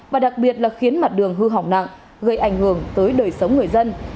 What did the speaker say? và đặc biệt là khiến mặt đường hư hỏng nặng gây ảnh hưởng tới đời sống người dân